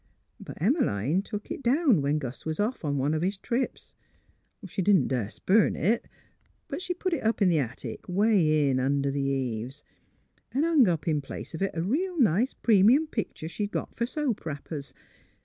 But Em 'line took it down when Gus was off on one o' his trips. She didn't das t' burn it; but she put it up in th' attic, way in under th' eaves, an' hung up in place of it a real nice premium pictur' she'd got fer soap wrappers.